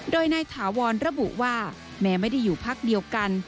โดยนายถาวรระบุว่าแม้ไม่ได้อยู่พักเดียวกัน